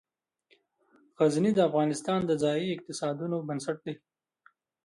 غزني د افغانستان د ځایي اقتصادونو بنسټ دی.